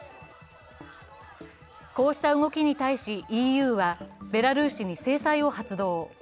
こうした動きに対し、ＥＵはベラルーシに制裁を発動。